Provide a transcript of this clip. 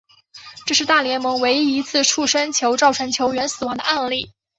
这是大联盟唯一一次触身球造成球员死亡的案例。